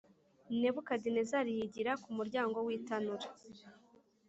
Nebukadinezari yigira ku muryango w itanura